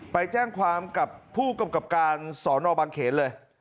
ไปแจ้งความกับผู้กำกับการสอนอบางเขนเลย